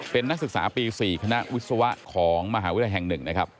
เป็นนักศึกษาปี๔คณะวิศวะของมหาวิทยาลัยแห่ง๑นะครับ